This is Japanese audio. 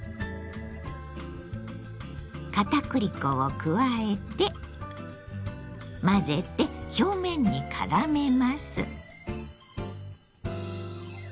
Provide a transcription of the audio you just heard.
片栗粉を加えて混ぜて表面にからめます。